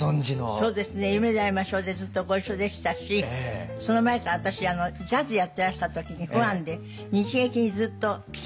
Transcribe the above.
そうですね「夢であいましょう」でずっとご一緒でしたしその前から私ジャズやってらした時にファンで日劇にずっと聞きに行ってましたので。